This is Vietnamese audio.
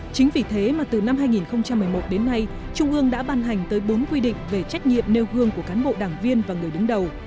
chính vì thế mà từ năm hai nghìn một mươi một đến nay trung ương đã ban hành tới bốn quy định về trách nhiệm nêu gương của cán bộ đảng viên và người đứng đầu